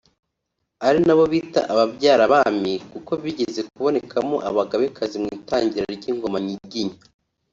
ari nabo bita “Ababyara-bami” kuko bigeze kubonekamo Abagabekazi mu itangira ry’Ingoma Nyiginya